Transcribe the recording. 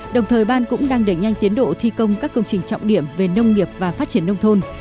đồng thời ban cũng đang đẩy nhanh tiến độ thi công các công trình trọng điểm về nông nghiệp và phát triển nông thôn